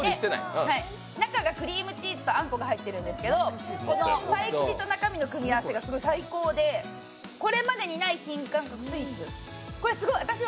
中がクリームチーズとあんこが入ってるんですけどパイ生地と中身の組み合わせが最高でこれまでにない新感覚スイーツ。